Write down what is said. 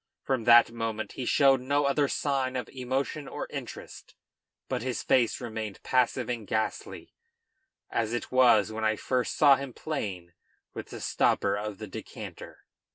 From that moment he showed no other sign of emotion or interest, but his face remained passive and ghastly, as it was when I first saw him playing with the stopper of the decanter.